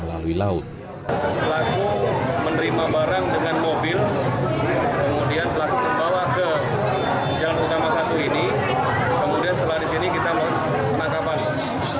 ketika dikandalkan petugas menerima barang dengan mobil kemudian telah membawa ke jalan utama satu ini kemudian setelah di sini kita menangkapnya